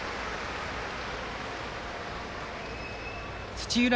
土浦